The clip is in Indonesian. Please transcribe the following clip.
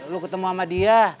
lu ketemu sama dia